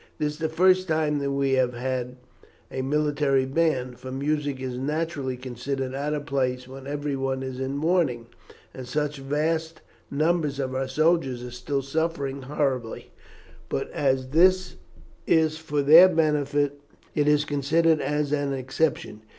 This is the first time that we have had a military band, for music is naturally considered out of place when everyone is in mourning and such vast numbers of our soldiers are still suffering horribly; but as this is for their benefit it is considered as an exception.